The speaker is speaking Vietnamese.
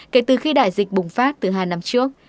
kể từ khi đại dịch bùng phát từ hai năm trước